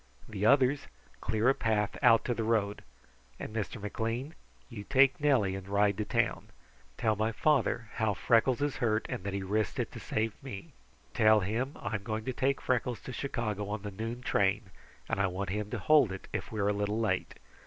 The others clear a path out to the road; and Mr. McLean, you take Nellie and ride to town. Tell my father how Freckles is hurt and that he risked it to save me. Tell him I'm going to take Freckles to Chicago on the noon train, and I want him to hold it if we are a little late.